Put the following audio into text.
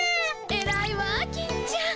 えらいわ金ちゃん。